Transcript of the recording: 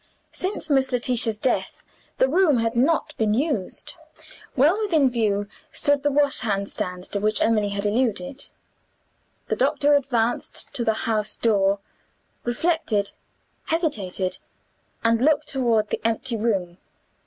Since Miss Letitia's death the room had not been used. Well within view stood the washhand stand to which Emily had alluded. The doctor advanced to the house door reflected hesitated and looked toward the empty room.